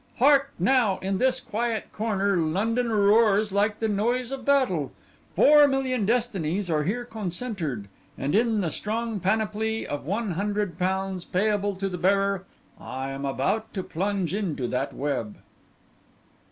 Hark how, in this quiet corner, London roars like the noise of battle; four million destinies are here concentred; and in the strong panoply of one hundred pounds, payable to the bearer, I am about to plunge into that web.